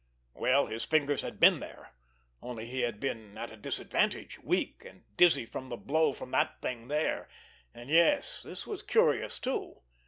Well, his fingers had been there, only he had been, at a disadvantage, weak and dizzy from the blow from that thing there, and—yes, this was curious too!